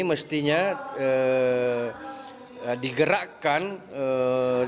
kita harus mengatasi kemampuan pemula untuk mengatasi kemampuan pemula